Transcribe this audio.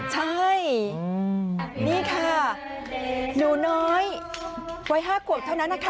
ใช่นี่ค่ะหนูน้อยวัย๕ขวบเท่านั้นนะคะ